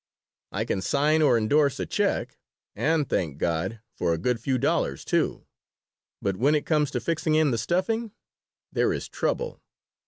"I can sign or indorse a check, and, thank God, for a good few dollars, too but when it comes to fixing in the stuffing, there is trouble.